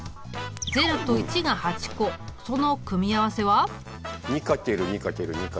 ０と１が８個その組み合わせは？